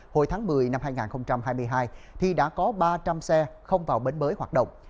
hồi tháng một mươi năm hai nghìn hai mươi hai thì đã có ba trăm linh xe không vào bến mới hoạt động